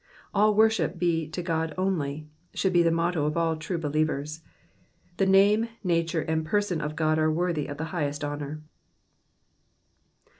All worship be to God only," should be the motto of all true believers. The name, nature, and person of God are worthy of the highest honour.